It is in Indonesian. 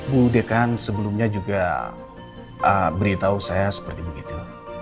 bu dekan sebelumnya juga beritahu saya seperti begitu